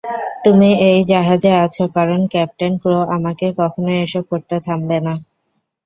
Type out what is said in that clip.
তুমি এই জাহাজে আছো কারণ ক্যাপ্টেন ক্রো তোমাকে কখনোই এসব করতে থামাবে না।